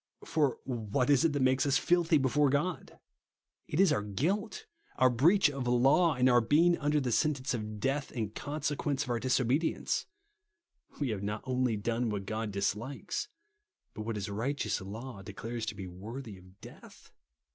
For what is it tliat luukcs us fd ihy before GoJ^ 56 THE BLOOD OF SPRINKLINO. It is OLir guilt, our brcacli of law, and oar being under sentence of death in conse quence of our disobedience. We have not only done what God dislikes, but what his righteous law declares to be worthy of death.